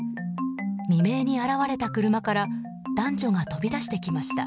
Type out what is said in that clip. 未明に現れた車から男女が飛び出してきました。